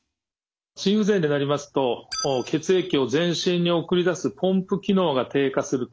心不全になりますと血液を全身に送り出すポンプ機能が低下すると。